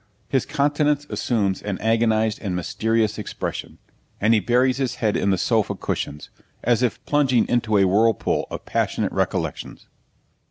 His countenance assumes an agonized and mysterious expression, and he buries his head in the sofa cushions, as if plunging into a whirlpool of passionate recollections.